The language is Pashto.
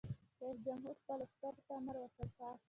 رئیس جمهور خپلو عسکرو ته امر وکړ؛ پاک!